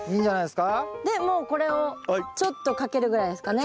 でもうこれをちょっとかけるぐらいですかね。